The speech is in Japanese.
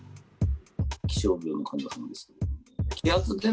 気象病の患者さんですね。